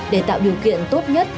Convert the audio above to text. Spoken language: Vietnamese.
để tạo điều kiện tốt nhất